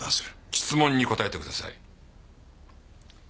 質問に答えてください。